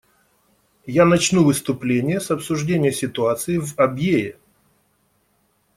Я начну выступление с обсуждения ситуации в Абьее.